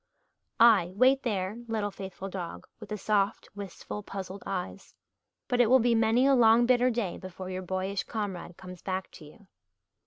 Ay, wait there, little faithful dog with the soft, wistful, puzzled eyes. But it will be many a long bitter day before your boyish comrade comes back to you.